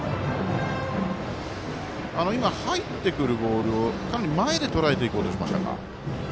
今、入ってくるボールをかなり前でとらえていこうとしましたか？